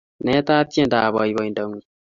Neta tiendab boibo-indang'ung